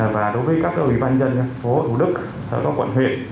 và đối với các ủy ban dân phố thủ đức phố quận huyệt